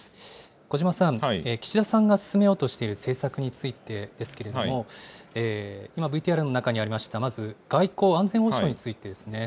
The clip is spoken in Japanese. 小嶋さん、岸田さんが進めようとしている政策についてですけれども、今、ＶＴＲの中にありました、まず外交・安全保障についてですね。